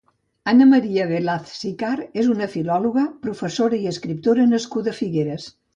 Anna Maria Velaz Sicart és una filòloga, professora i escriptora nascuda a Figueres.